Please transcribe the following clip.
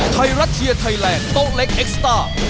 ไทรัตเชียร์ไทแหลกโต๊ะเล็กเอ็กซ์ตาร์